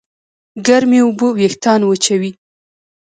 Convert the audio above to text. ګرمې اوبه وېښتيان وچوي.